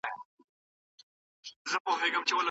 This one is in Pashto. زه هره ورځ یو نوی شی زده کوم.